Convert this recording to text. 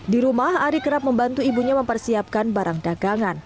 di rumah ari kerap membantu ibunya mempersiapkan barang dagangan